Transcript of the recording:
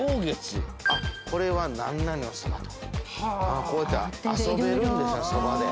これは何々のそばとかこうやって遊べるんですねそばで。